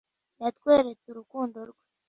yatweretse urukundo rwe